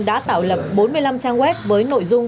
đã tạo lập bốn mươi năm trang web với nội dung